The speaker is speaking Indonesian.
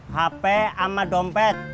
hp sama dompet